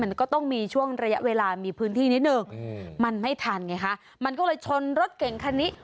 มันก็ต้องมีช่วงระยะเวลามีพื้นที่นิดนึงมันไม่ทันไงคะมันก็เลยชนรถเก่งคันนี้